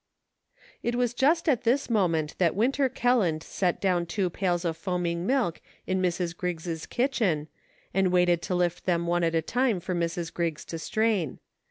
It was just at this moment that Winter Kelland set down two pails of foaming milk in Mrs. Griggs* kitchen, and waited to lift them one at a time for Mrs. Griggs to strain.